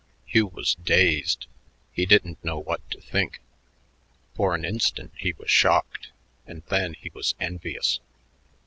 Hugh was dazed. He didn't know what to think. For an instant he was shocked, and then he was envious.